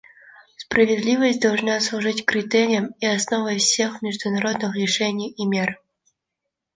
Справедливость должна служить критерием и основой всех международных решений и мер.